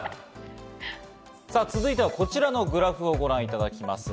続いてはこちらのグラフをご覧いただきます。